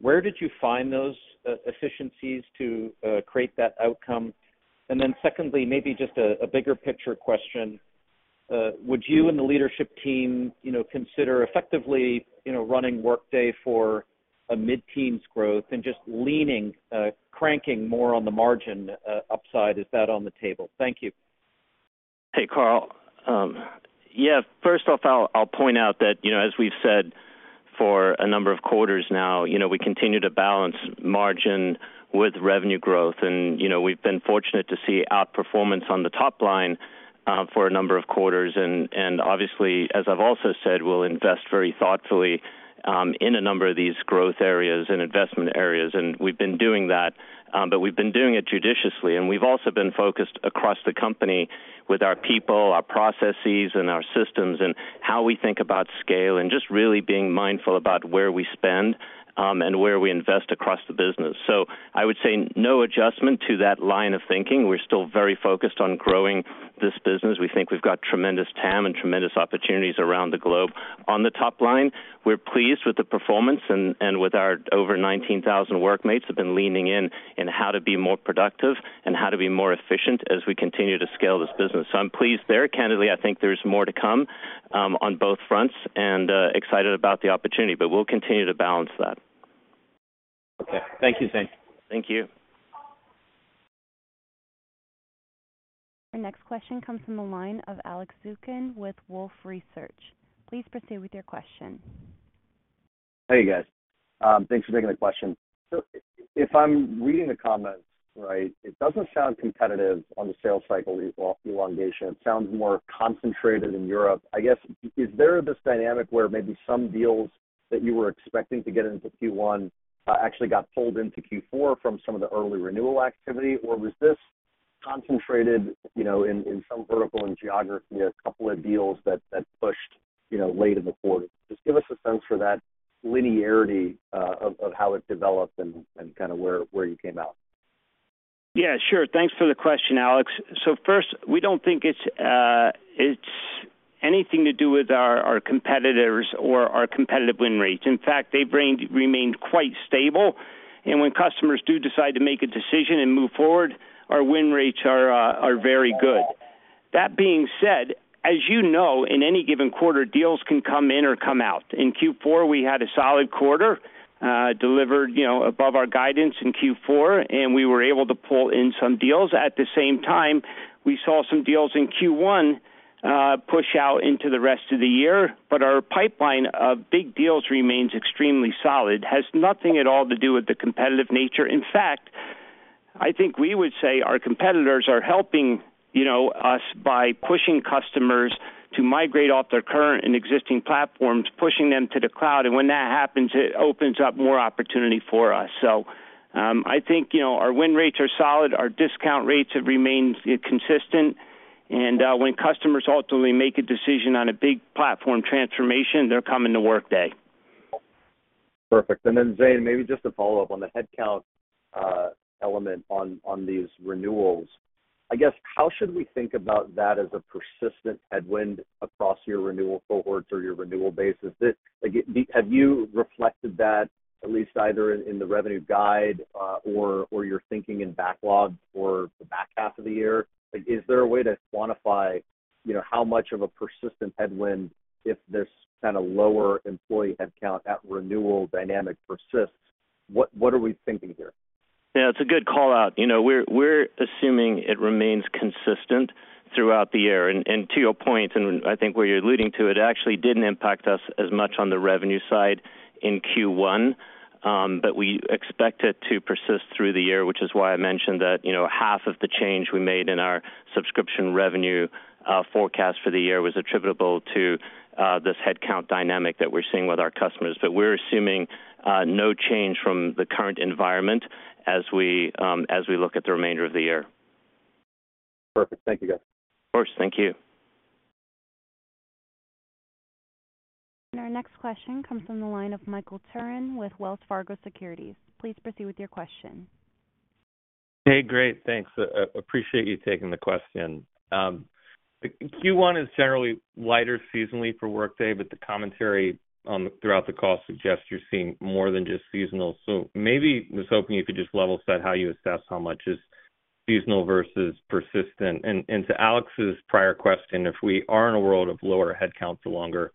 Where did you find those efficiencies to create that outcome? And then secondly, maybe just a bigger picture question. Would you and the leadership team, you know, consider effectively, you know, running Workday for a mid-teens growth and just leaning, cranking more on the margin upside? Is that on the table? Thank you. Hey, Carl. Yeah, first off, I'll, I'll point out that, you know, as we've said for a number of quarters now, you know, we continue to balance margin with revenue growth, and, you know, we've been fortunate to see outperformance on the top line for a number of quarters. And obviously, as I've also said, we'll invest very thoughtfully in a number of these growth areas and investment areas, and we've been doing that, but we've been doing it judiciously. And we've also been focused across the company with our people, our processes, and our systems and how we think about scale and just really being mindful about where we spend and where we invest across the business. So I would say no adjustment to that line of thinking. We're still very focused on growing this business. We think we've got tremendous TAM and tremendous opportunities around the globe. On the top line, we're pleased with the performance and with our over 19,000 workmates have been leaning in how to be more productive and how to be more efficient as we continue to scale this business. So I'm pleased there. Candidly, I think there's more to come on both fronts and excited about the opportunity, but we'll continue to balance that. Okay. Thank you, Zane. Thank you. Our next question comes from the line of Alex Zukin with Wolfe Research. Please proceed with your question. Hey, you guys. Thanks for taking the question. So if I'm reading the comments right, it doesn't sound competitive on the sales cycle elongation. It sounds more concentrated in Europe. I guess, is there this dynamic where maybe some deals that you were expecting to get into Q1 actually got pulled into Q4 from some of the early renewal activity? Or was this concentrated, you know, in some vertical in geography, a couple of deals that pushed, you know, late in the quarter? Just give us a sense for that linearity of how it developed and kind of where you came out. Yeah, sure. Thanks for the question, Alex. So first, we don't think it's anything to do with our competitors or our competitive win rates. In fact, they've remained quite stable, and when customers do decide to make a decision and move forward, our win rates are very good. That being said, as you know, in any given quarter, deals can come in or come out. In Q4, we had a solid quarter, delivered, you know, above our guidance in Q4, and we were able to pull in some deals. At the same time, we saw some deals in Q1 push out into the rest of the year, but our pipeline of big deals remains extremely solid. It has nothing at all to do with the competitive nature. In fact, I think we would say our competitors are helping, you know, us by pushing customers to migrate off their current and existing platforms, pushing them to the cloud. When that happens, it opens up more opportunity for us. I think, you know, our win rates are solid, our discount rates have remained consistent, and when customers ultimately make a decision on a big platform transformation, they're coming to Workday. Perfect. Zane, maybe just a follow-up on the headcount element on these renewals. I guess, how should we think about that as a persistent headwind across your renewal cohorts or your renewal base? Is this... Again, have you reflected that, at least either in the revenue guide or you're thinking in backlog for the back half of the year? Is there a way to quantify, you know, how much of a persistent headwind, if this kind of lower employee headcount at renewal dynamic persists? What are we thinking here? Yeah, it's a good call-out. You know, we're assuming it remains consistent throughout the year. And to your point, and I think where you're alluding to, it actually didn't impact us as much on the revenue side in Q1, but we expect it to persist through the year, which is why I mentioned that, you know, half of the change we made in our subscription revenue forecast for the year was attributable to this headcount dynamic that we're seeing with our customers. But we're assuming no change from the current environment as we look at the remainder of the year. Perfect. Thank you, guys. Of course. Thank you. Our next question comes from the line of Michael Turrin with Wells Fargo Securities. Please proceed with your question. Hey, great. Thanks. Appreciate you taking the question. Q1 is generally lighter seasonally for Workday, but the commentary throughout the call suggests you're seeing more than just seasonal. So maybe I was hoping you could just level set how you assess how much is seasonal versus persistent. And to Alex's prior question, if we are in a world of lower headcounts for longer,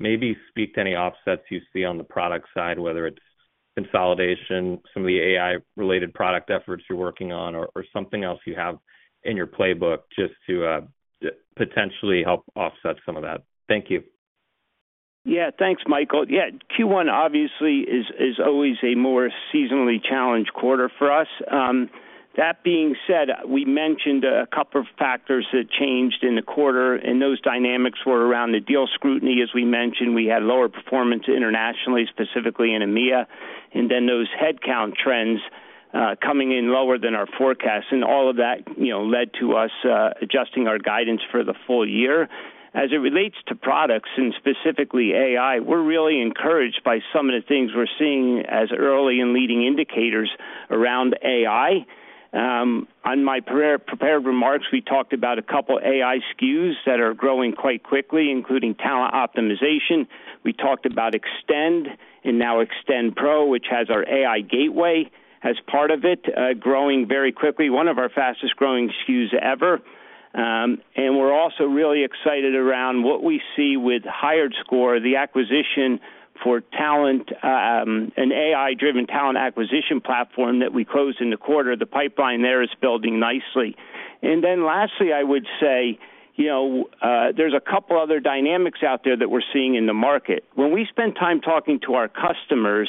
maybe speak to any offsets you see on the product side, whether it's consolidation, some of the AI-related product efforts you're working on or something else you have in your playbook, just to potentially help offset some of that. Thank you. Yeah. Thanks, Michael. Yeah, Q1 obviously is always a more seasonally challenged quarter for us. That being said, we mentioned a couple of factors that changed in the quarter, and those dynamics were around the deal scrutiny. As we mentioned, we had lower performance internationally, specifically in EMEA, and then those headcount trends coming in lower than our forecast. And all of that, you know, led to us adjusting our guidance for the full year. As it relates to products and specifically AI, we're really encouraged by some of the things we're seeing as early and leading indicators around AI.... On my pre-prepared remarks, we talked about a couple AI SKUs that are growing quite quickly, including Talent Optimization. We talked about Extend and now Extend Pro, which has our AI Gateway, as part of it, growing very quickly, one of our fastest-growing SKUs ever. And we're also really excited around what we see with HiredScore, the acquisition for talent, an AI-driven talent acquisition platform that we closed in the quarter. The pipeline there is building nicely. And then lastly, I would say, you know, there's a couple other dynamics out there that we're seeing in the market. When we spend time talking to our customers,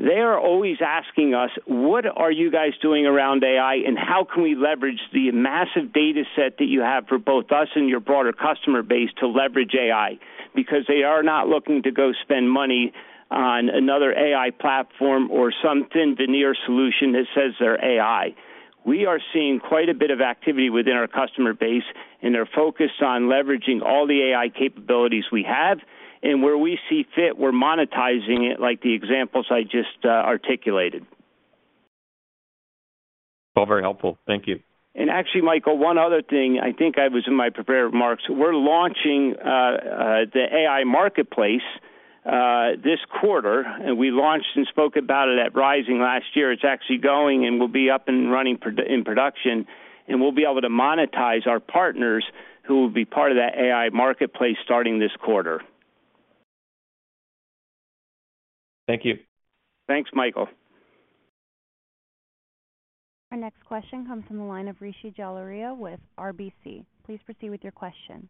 they are always asking us: What are you guys doing around AI, and how can we leverage the massive data set that you have for both us and your broader customer base to leverage AI? Because they are not looking to go spend money on another AI platform or some thin veneer solution that says they're AI. We are seeing quite a bit of activity within our customer base, and they're focused on leveraging all the AI capabilities we have, and where we see fit, we're monetizing it, like the examples I just articulated. Well, very helpful. Thank you. Actually, Michael, one other thing, I think I was in my prepared remarks. We're launching the AI Marketplace this quarter, and we launched and spoke about it at Rising last year. It's actually going, and we'll be up and running in production, and we'll be able to monetize our partners who will be part of that AI Marketplace starting this quarter. Thank you. Thanks, Michael. Our next question comes from the line of Rishi Jaluria with RBC. Please proceed with your question.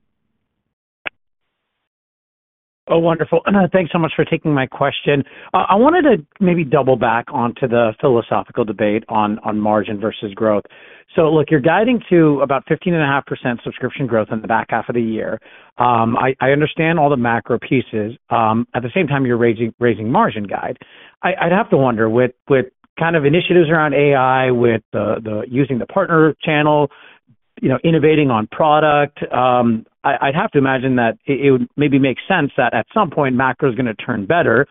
Oh, wonderful. Thanks so much for taking my question. I wanted to maybe double back onto the philosophical debate on margin versus growth. So look, you're guiding to about 15.5% subscription growth in the back half of the year. I understand all the macro pieces. At the same time, you're raising, raising margin guide. I'd have to wonder, with kind of initiatives around AI, with the using the partner channel, you know, innovating on product, I'd have to imagine that it would maybe make sense that at some point, macro is gonna turn better,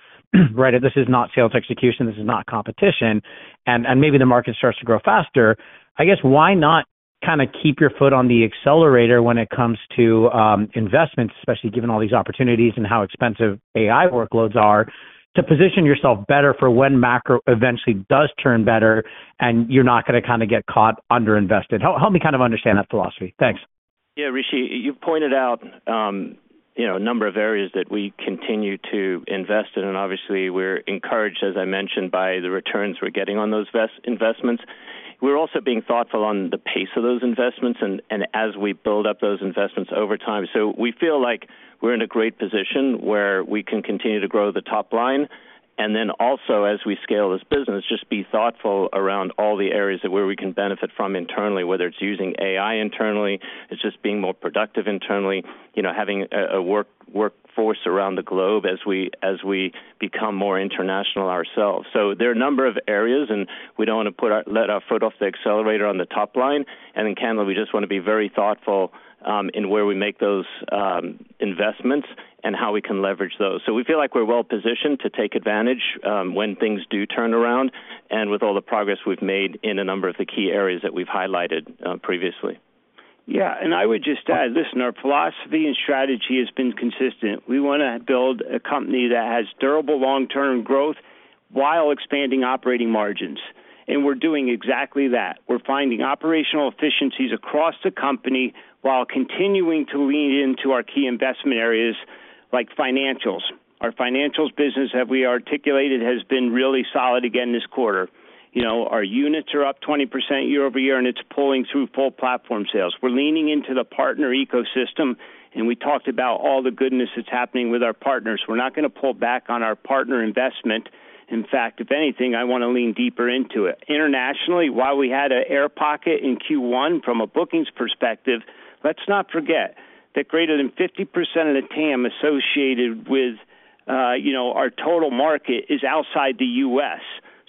right? This is not sales execution, this is not competition, and maybe the market starts to grow faster. I guess why not kind of keep your foot on the accelerator when it comes to, investments, especially given all these opportunities and how expensive AI workloads are, to position yourself better for when macro eventually does turn better, and you're not gonna kind of get caught underinvested. Help me kind of understand that philosophy. Thanks. Yeah, Rishi, you've pointed out, you know, a number of areas that we continue to invest in, and obviously, we're encouraged, as I mentioned, by the returns we're getting on those investments. We're also being thoughtful on the pace of those investments and as we build up those investments over time. So we feel like we're in a great position where we can continue to grow the top line, and then also, as we scale this business, just be thoughtful around all the areas where we can benefit from internally, whether it's using AI internally, it's just being more productive internally, you know, having a workforce around the globe as we, as we become more international ourselves. So there are a number of areas, and we don't want to let our foot off the accelerator on the top line. And then, candidly, we just want to be very thoughtful in where we make those investments and how we can leverage those. So we feel like we're well positioned to take advantage when things do turn around and with all the progress we've made in a number of the key areas that we've highlighted previously. Yeah, and I would just add, listen, our philosophy and strategy has been consistent. We wanna build a company that has durable long-term growth while expanding operating margins, and we're doing exactly that. We're finding operational efficiencies across the company while continuing to lean into our key investment areas, like financials. Our financials business, that we articulated, has been really solid again this quarter. You know, our units are up 20% year-over-year, and it's pulling through full platform sales. We're leaning into the partner ecosystem, and we talked about all the goodness that's happening with our partners. We're not gonna pull back on our partner investment. In fact, if anything, I want to lean deeper into it. Internationally, while we had an air pocket in Q1 from a bookings perspective, let's not forget that greater than 50% of the TAM associated with, you know, our total market is outside the U.S.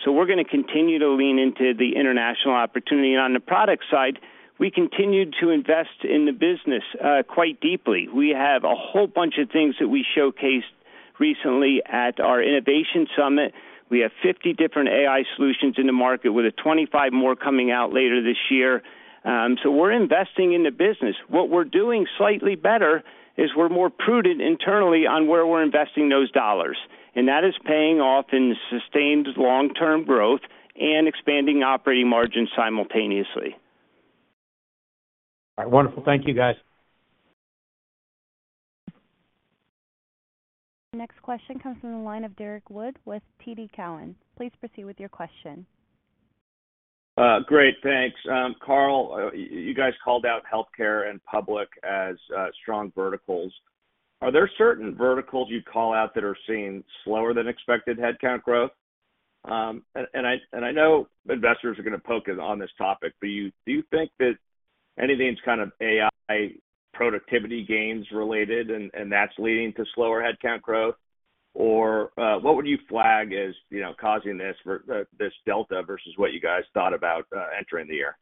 So we're gonna continue to lean into the international opportunity. On the product side, we continued to invest in the business, quite deeply. We have a whole bunch of things that we showcased recently at our Innovation Summit. We have 50 different AI solutions in the market, with 25 more coming out later this year. So we're investing in the business. What we're doing slightly better is we're more prudent internally on where we're investing those dollars, and that is paying off in sustained long-term growth and expanding operating margins simultaneously. All right. Wonderful. Thank you, guys. Next question comes from the line of Derrick Wood with TD Cowen. Please proceed with your question. Great, thanks. Carl, you guys called out healthcare and public as strong verticals. Are there certain verticals you'd call out that are seeing slower than expected headcount growth? And I know investors are gonna poke on this topic, but do you think that anything's kind of AI productivity gains related, and that's leading to slower headcount growth? Or what would you flag as, you know, causing this delta versus what you guys thought about entering the year?...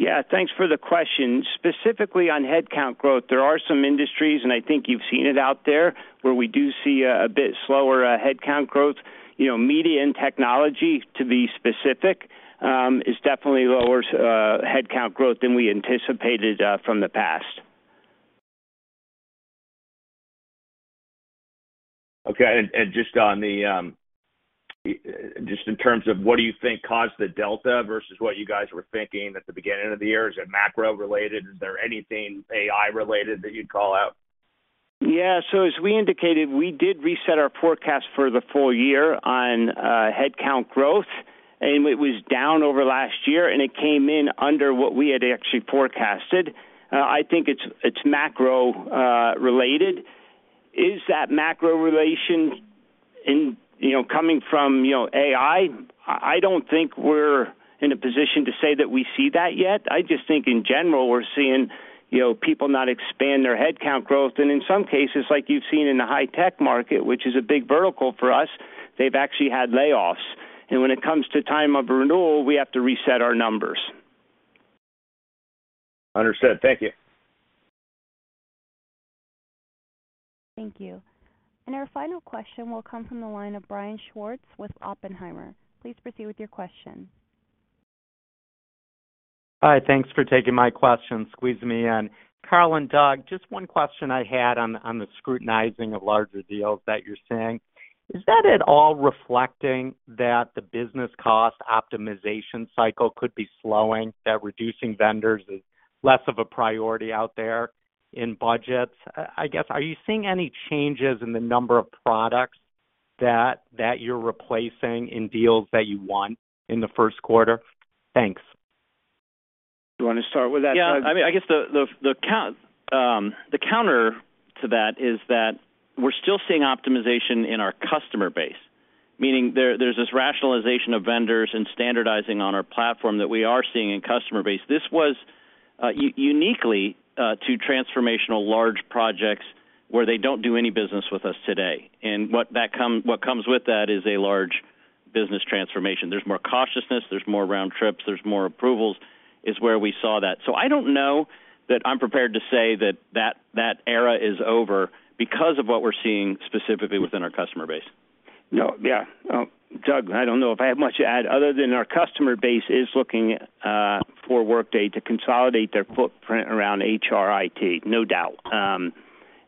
Yeah, thanks for the question. Specifically on headcount growth, there are some industries, and I think you've seen it out there, where we do see a bit slower headcount growth. You know, media and technology, to be specific, is definitely lower headcount growth than we anticipated from the past. Okay. And, and just on the just in terms of what do you think caused the delta versus what you guys were thinking at the beginning of the year? Is it macro-related? Is there anything AI-related that you'd call out? Yeah. So as we indicated, we did reset our forecast for the full year on headcount growth, and it was down over last year, and it came in under what we had actually forecasted. I think it's macro related. You know, coming from AI, I don't think we're in a position to say that we see that yet. I just think in general, we're seeing people not expand their headcount growth, and in some cases, like you've seen in the high tech market, which is a big vertical for us, they've actually had layoffs. And when it comes to time of renewal, we have to reset our numbers. Understood. Thank you. Thank you. And our final question will come from the line of Brian Schwartz with Oppenheimer. Please proceed with your question. Hi, thanks for taking my question. Squeezing me in. Carl and Doug, just one question I had on the scrutinizing of larger deals that you're seeing. Is that at all reflecting that the business cost optimization cycle could be slowing, that reducing vendors is less of a priority out there in budgets? I guess, are you seeing any changes in the number of products that you're replacing in deals that you won in the first quarter? Thanks. You wanna start with that, Doug? Yeah, I mean, I guess the counter to that is that we're still seeing optimization in our customer base. Meaning there, there's this rationalization of vendors and standardizing on our platform that we are seeing in customer base. This was uniquely to transformational large projects where they don't do any business with us today, and what comes with that is a large business transformation. There's more cautiousness, there's more round trips, there's more approvals, is where we saw that. So I don't know that I'm prepared to say that that era is over because of what we're seeing specifically within our customer base. No, yeah. Doug, I don't know if I have much to add, other than our customer base is looking for Workday to consolidate their footprint around HRIT, no doubt.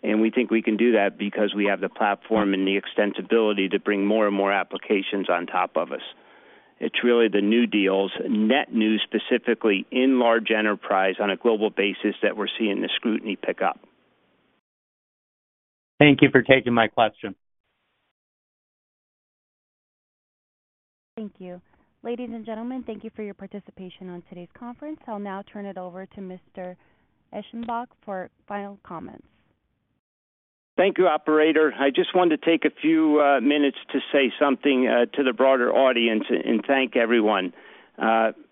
And we think we can do that because we have the platform and the extensibility to bring more and more applications on top of us. It's really the new deals, net new, specifically in large enterprise on a global basis, that we're seeing the scrutiny pick up. Thank you for taking my question. Thank you. Ladies and gentlemen, thank you for your participation on today's conference. I'll now turn it over to Mr. Eschenbach for final comments. Thank you, operator. I just wanted to take a few minutes to say something to the broader audience and thank everyone.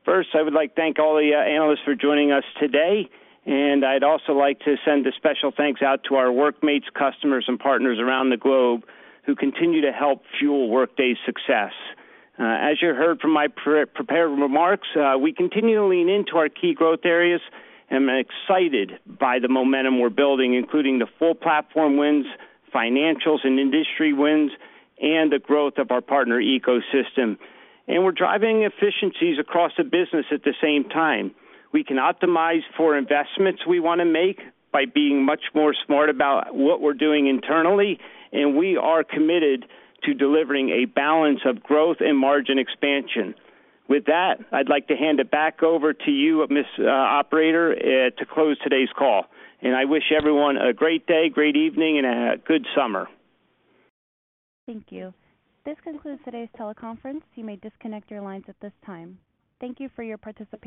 First, I would like to thank all the analysts for joining us today, and I'd also like to send a special thanks out to our Workmates, customers, and partners around the globe who continue to help fuel Workday's success. As you heard from my pre-prepared remarks, we continue to lean into our key growth areas and am excited by the momentum we're building, including the full platform wins, financials and industry wins, and the growth of our partner ecosystem. We're driving efficiencies across the business at the same time. We can optimize for investments we wanna make by being much more smart about what we're doing internally, and we are committed to delivering a balance of growth and margin expansion. With that, I'd like to hand it back over to you, Miss operator, to close today's call. I wish everyone a great day, great evening, and a good summer. Thank you. This concludes today's teleconference. You may disconnect your lines at this time. Thank you for your participation.